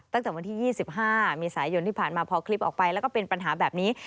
ตั้งแต่วันที่๒๕เมษายนที่ผ่านมาพอคลิปออกไปแล้วก็เป็นปัญหาแบบนี้